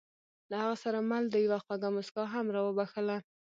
له هغه سره مل دې یوه خوږه موسکا هم را وبښله.